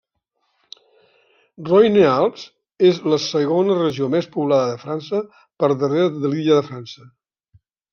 Roine-Alps és la segona regió més poblada de França, per darrere de l'Illa de França.